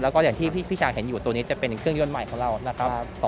แล้วก็อย่างที่พี่ชาเห็นอยู่ตัวนี้จะเป็นเครื่องยนต์ใหม่ของเรานะครับ